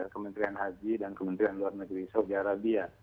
kementerian haji dan kementerian luar negeri saudi arabia